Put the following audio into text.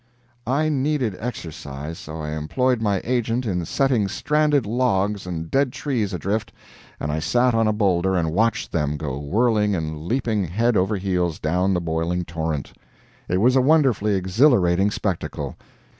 I needed exercise, so I employed my agent in setting stranded logs and dead trees adrift, and I sat on a boulder and watched them go whirling and leaping head over heels down the boiling torrent. It was a wonderfully exhilarating spectacle.